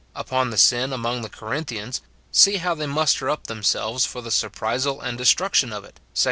Upon the sin among the Corinthians, see how they muster up themselves for the surprisal and destruction of it, 2 Cor.